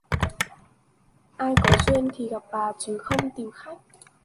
Ai có duyên thì gặp bà chứ không tìm khách